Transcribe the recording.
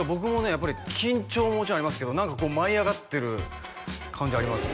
やっぱり緊張ももちろんありますけど何かこう舞い上がってる感じあります